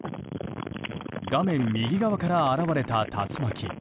画面右側から現れた竜巻。